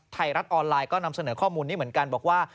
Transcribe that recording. ไทยรัฐออนไลน์ก็นำเสนอข้อมูลนี้เหมือนกันบอกว่า